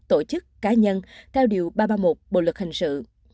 tổ chức cá nhân theo điều ba trăm ba mươi một bộ luật hình sự